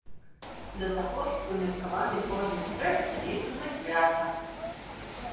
Да таго ж прымеркаваны кожны трэк да нейкага свята.